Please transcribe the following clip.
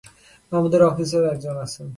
আমাদের অফিসেও একজন আছেন।